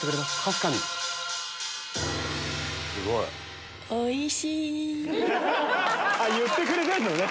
すごい。言ってくれてんのね。